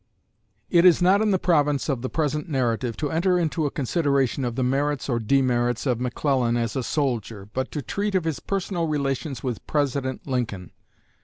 It is not in the province of the present narrative to enter into a consideration of the merits or demerits of McClellan as a soldier, but to treat of his personal relations with President Lincoln.